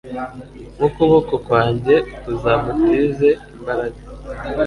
n’ukuboko kwanjye kuzamutize imbaraga